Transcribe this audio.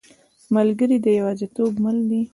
ملګری د یوازیتوب مل دی.